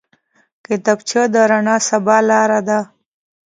کتابچه د راڼه سبا لاره ده